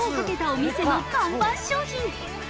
お店の看板商品。